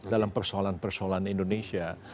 dalam persoalan persoalan indonesia